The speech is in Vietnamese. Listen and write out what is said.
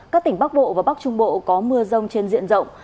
các tỉnh bắc bộ và bắc trung bộ có mưa rông trên diện rộng